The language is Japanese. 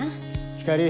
ひかり